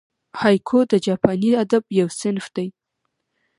هایکو د جاپاني ادب یو صنف دئ.